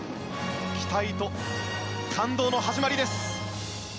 期待と感動の始まりです！